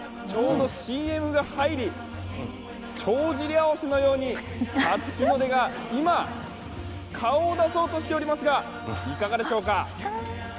ちょうどＣＭが入り、帳尻合わせのように初日の出が今、顔を出そうとしておりますが、いかがでしょうか？